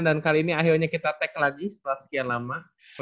dan kali ini akhirnya kita tag lagi setelah sekian lama